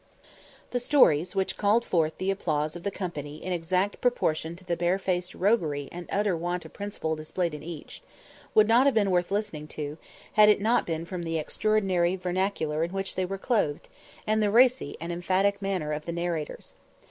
The stories, which called forth the applause of the company in exact proportion to the barefaced roguery and utter want of principle displayed in each, would not have been worth listening to, had it not been from the extraordinary vernacular in which they were clothed, and the racy and emphatic manner of the narrators.